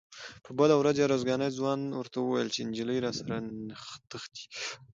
بله ورځ ارزګاني ځوان ورته وویل چې نجلۍ راسره تښتي.